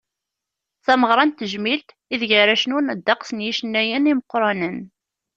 D tameɣra n tejmilt, ideg ara cennun ddeqs n yicennayen imeqqranen.